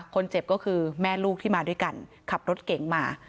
คนเจ็บก็คือแม่ลูกที่มาด้วยกันขับรถเก๋งมา